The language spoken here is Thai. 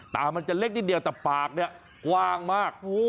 ตามันจะเล็กนิดเดียวแต่ปากเนี่ยกว้างมาก